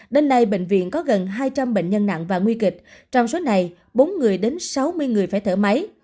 đến nay bệnh viện có gần hai trăm linh bệnh nhân nặng và nguy kịch trong số này bốn người đến sáu mươi người phải thở máy